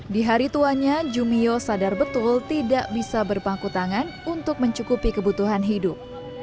di hari tuanya jumio sadar betul tidak bisa berpangku tangan untuk mencukupi kebutuhan hidup